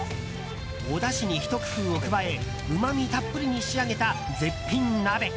おだしにひと工夫を加えうまみたっぷりに仕上げた絶品鍋。